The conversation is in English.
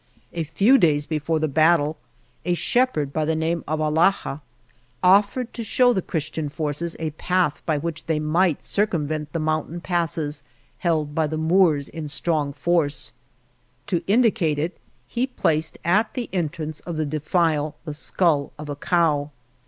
A few days before the battle, a shepherd by the name of Alhaja offered to show the Chris tian forces a path by which they might cir cumvent the mountain passes held by the Moors in strong force. To indicate it, he placed at the entrance of the defile the skull of a cow.